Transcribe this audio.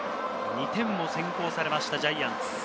２点を先行されましたジャイアンツ。